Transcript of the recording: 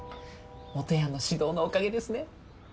もとやんの指導のおかげですね。